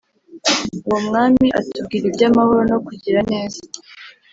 Uwo mwami atubwira iby’amahoro no kugira neza